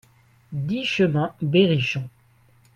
dix chemin Berrichon